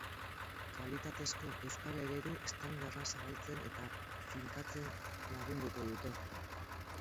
Kalitatezko euskara-eredu estandarra zabaltzen eta finkatzen lagunduko dute.